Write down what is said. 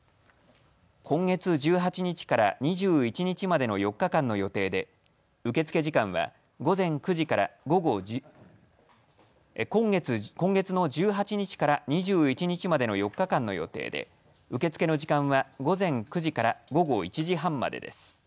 今月１８日から２１日までの４日間の予定で今月の１８日から２１日までの４日間の予定で受け付けの時間は午前９時から午後１時半までです。